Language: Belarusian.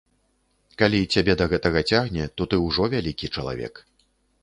Калі цябе да гэтага цягне, то ты ўжо вялікі чалавек.